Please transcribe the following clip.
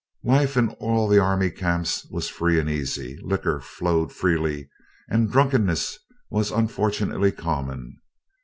Life in all the army camps was free and easy. Liquor flowed freely, and drunkenness was unfortunately common.